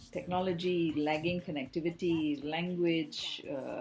teknologi konektivitas yang berlebihan